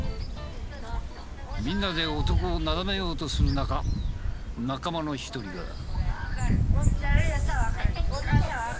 みんなで男をなだめようとする中仲間の一人が。